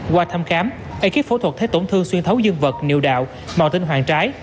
qua thăm khám ekip phẫu thuật thế tổn thương xuyên thấu dương vật niều đạo màu tinh hoàng trái